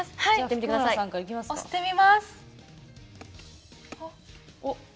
押してみます！